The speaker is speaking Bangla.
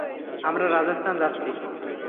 আমরা রাজস্থান যাচ্ছি।